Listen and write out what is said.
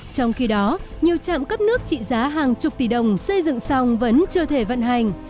trong khi đó nhiều trạm cấp nước trị giá hàng chục tỷ đồng xây dựng xong vẫn chưa thể vận hành